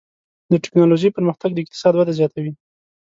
د ټکنالوجۍ پرمختګ د اقتصاد وده زیاتوي.